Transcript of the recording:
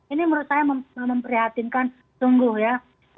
ini menurut saya memprihatinkan sungguh ya